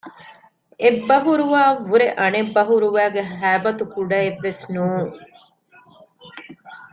އެއް ބަހުރުވައަށް ވުރެ އަނެއް ބަހުރުވައިގެ ހައިބަތު ކުޑައެއްވެސް ނޫން